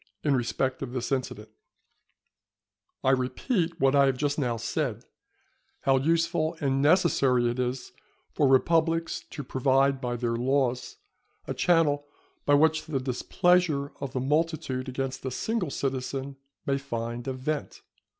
In respect of this incident I repeat what I have just now said, how useful and necessary it is for republics to provide by their laws a channel by which the displeasure of the multitude against a single citizen may find a vent.